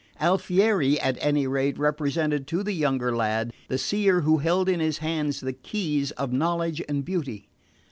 Alfieri, at any rate, represented to the younger lad the seer who held in his hands the keys of knowledge and beauty.